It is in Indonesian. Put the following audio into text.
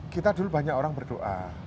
kita dulu banyak orang berdoa